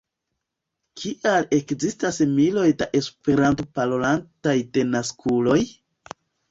Kial ekzistas miloj da Esperanto-parolantaj denaskuloj?